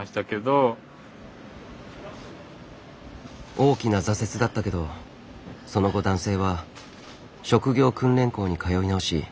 大きな挫折だったけどその後男性は職業訓練校に通い直し